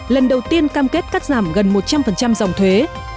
lần đầu tiên cam kết cắt giảm gần một trăm linh dòng thuế